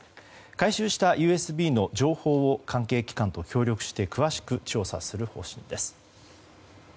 回収したＵＳＢの情報を関係機関と協力して詳しく調査する方針です。